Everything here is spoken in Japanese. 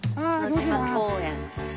野島公園。